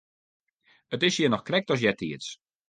It is hjir noch krekt as eartiids.